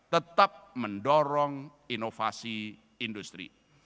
tetap mendorong inovasi industri